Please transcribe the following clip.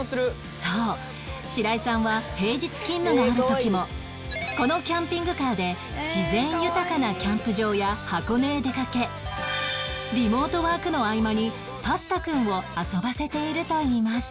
そう白井さんは平日勤務がある時もこのキャンピングカーで自然豊かなキャンプ場や箱根へ出かけリモートワークの合間にパスタくんを遊ばせているといいます